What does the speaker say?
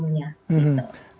tapi di sisi lain anda mengatakan